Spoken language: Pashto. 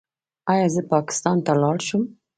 ایا زه پاکستان ته لاړ شم؟